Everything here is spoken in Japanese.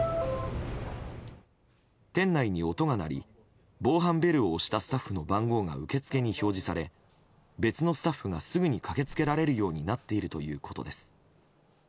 店内に音が鳴り防犯ベルを押したスタッフの番号が受け付けに表示され別のスタッフがすぐに駆け付けられるようになっているということです。